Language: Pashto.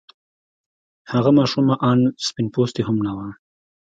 هغه ماشومه آن سپين پوستې هم نه وه.